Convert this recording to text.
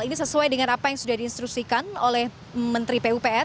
ini sesuai dengan apa yang sudah diinstruksikan oleh menteri pupr